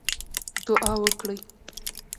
دعا وکړئ